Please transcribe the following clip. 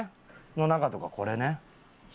の中とかこれね。